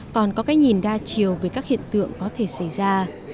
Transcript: còn có cái nhìn đa chiều về các hiện tượng có thể xảy ra